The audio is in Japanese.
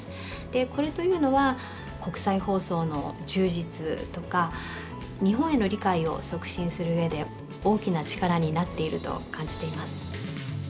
これというのは国際放送の充実とか日本への理解を促進するうえで大きな力になっていると感じています。